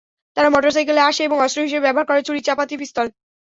তারা মোটরসাইকেলে আসে এবং অস্ত্র হিসেবে ব্যবহার করে ছুরি, চাপাতি, পিস্তল।